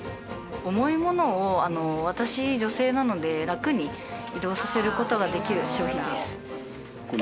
重いものを私女性なので楽に移動させる事ができる商品です。